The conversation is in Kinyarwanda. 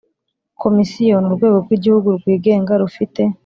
Komisiyo ni urwego rw igihugu rwigenga rufite